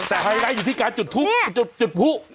แต่ไฮไลท์อยู่ที่การจุดทูปจุดผู้